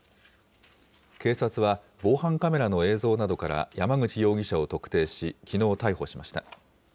警察は、防犯カメラの映像などから山口容疑者を特定し、きのう逮捕しました。